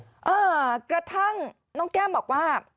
อ่ากระทั่งน้องแก้มบอกว่า